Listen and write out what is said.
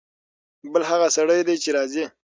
بل هغه سړی دی چې راځي.